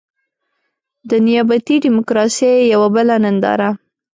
د نيابتي ډيموکراسۍ يوه بله ننداره.